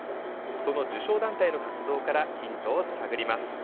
その受賞団体の活動からヒントを探ります。